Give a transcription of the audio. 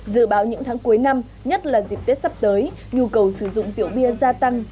dự báo những tháng cuối năm nhất là dịp tết sắp tới nhu cầu sử dụng rượu bia gia tăng